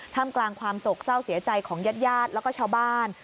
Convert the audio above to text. ทำกลางความโศกเศร้าเสียใจของญาติญาติแล้วก็ชาวบ้าน